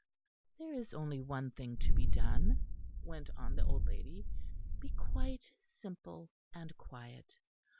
"There is only one thing to be done," went on the old lady, "be quite simple and quiet.